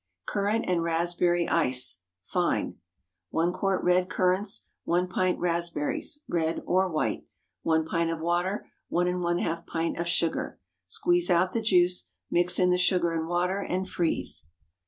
CURRANT AND RASPBERRY ICE (Fine.) 1 quart red currants. 1 pint raspberries—red or white. 1 pint of water. 1½ pint of sugar. Squeeze out the juice; mix in the sugar and water, and freeze.